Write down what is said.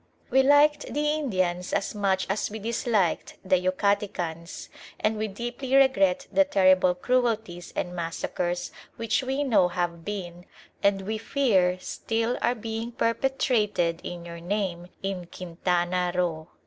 We liked the Indians as much as we disliked the Yucatecans, and we deeply regret the terrible cruelties and massacres which we know have been and we fear still are being perpetrated in your name in Quintana Roo.